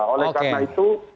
oleh karena itu